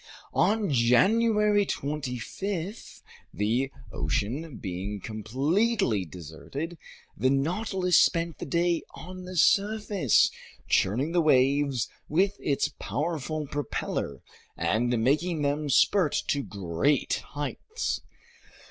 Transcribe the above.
On January 25, the ocean being completely deserted, the Nautilus spent the day on the surface, churning the waves with its powerful propeller and making them spurt to great heights.